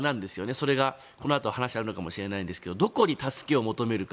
それがこのあと話があるのかもしれないんですがどこに助けを求めるか。